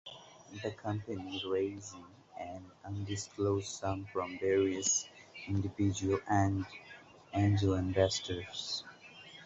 The company raising an undisclosed sum from various individual angel investors.